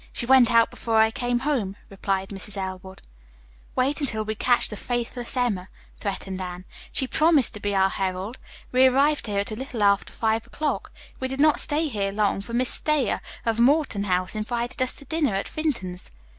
She went out before I came home," replied Mrs. Elwood. "Wait until we catch the faithless Emma," threatened Anne. "She promised to be our herald. We arrived here at a little after five o'clock. We did not stay here long, for Miss Thayer, of Morton House, invited us to dinner at Vinton's."